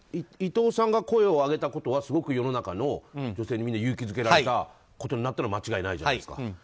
伊藤さんが声を上げたことはすごく世の中の女性が勇気づけられたことになったのは間違いないじゃないですか。